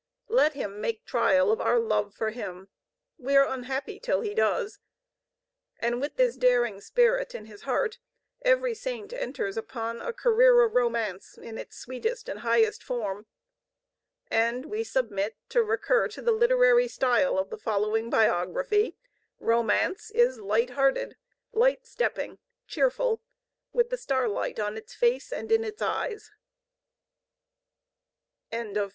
Let Him make trial of our love for Him! We are unhappy till He does! And with this daring spirit in his heart every Saint enters upon a career of Romance in its sweetest and highest form. And, we submit, to recur to the literary style of the following biography, Romance is light hearted, light stepping, cheerful, with the starlight on its face and in its eyes. James J. Daly, S.J.